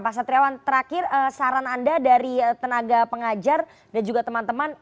pak satriawan terakhir saran anda dari tenaga pengajar dan juga teman teman